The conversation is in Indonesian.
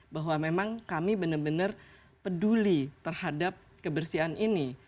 bahwa memang kami benar benar peduli terhadap kebersihan ini